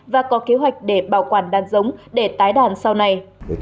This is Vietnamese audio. và có kế hoạch để bảo quản đàn giống để tái đàn sau này